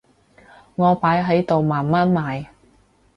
我擺喺度慢慢賣